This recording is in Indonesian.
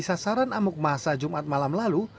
sasaran amuk masa jumat malam lalu